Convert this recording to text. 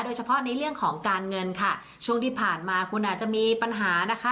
โดยเฉพาะในเรื่องของการเงินค่ะช่วงที่ผ่านมาคุณอาจจะมีปัญหานะคะ